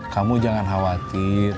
kamu jangan khawatir